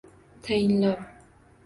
Tainlov!